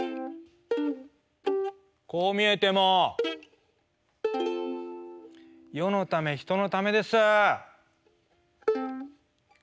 こう見えても世のため人のためです。